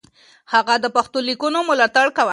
هغه د پښتو ليکنو ملاتړ کاوه.